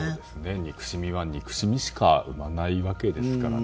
憎しみは憎しみしか生まないわけですからね。